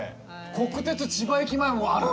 国鉄千葉駅前もある。